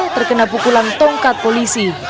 terkena pukulan tongkat polisi